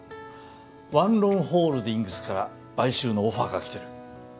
ワンロンホールディングスから買収のオファーがきてる